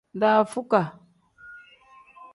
Dafukaa.